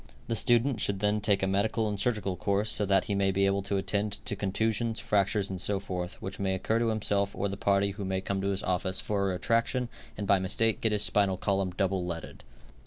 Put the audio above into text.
The student should then take a medical and surgical course, so that he may be able to attend to contusions, fractures and so forth, which may occur to himself or to the party who may come to his office for a retraction and by mistake get his spinal column double leaded.